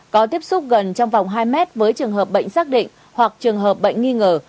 có tiếp xúc gần trong vòng hai mét với trường hợp bệnh xác định hoặc trường hợp bệnh nghi ngờ